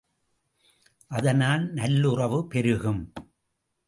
அதனால் நல்லுறவு பெருகும்.